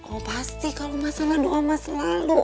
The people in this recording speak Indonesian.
oh pasti kalau masalah doa mas selalu